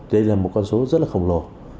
đây là một con số rất là khổng lồ